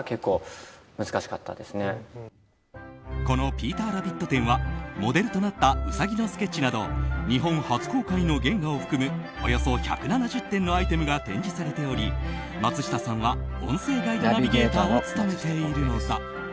この「ピーターラビット展」はモデルとなったウサギのスケッチなど日本初公開の原画を含むおよそ１７０点のアイテムが展示されており、松下さんは音声ガイドナビゲーターを務めているのだ。